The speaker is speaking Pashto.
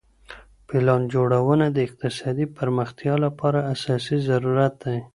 پلان جوړونه د اقتصادي پرمختيا لپاره اساسي ضرورت دی.